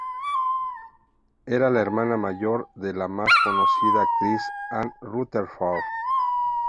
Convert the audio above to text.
Era la hermana mayor de la más conocida actriz Ann Rutherford.